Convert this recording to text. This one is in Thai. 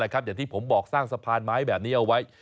อย่างที่ผมบอกสร้างสะพานไม้แบบนี้เอาไว้